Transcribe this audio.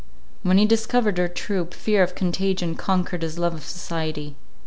When he discovered our troop, fear of contagion conquered his love of society.